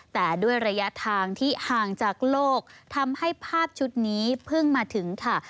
แต่ด้วยระยะทางที่ห่างจากโลกทำให้ภาพชุดนี้เพิ่งมาถึงค่ะ